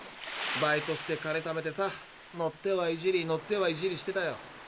バイトして金ためてさ乗ってはいじり乗ってはいじりしてたよ。